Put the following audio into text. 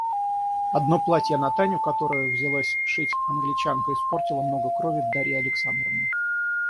Одно платье на Таню, которое взялась шить Англичанка, испортило много крови Дарье Александровне.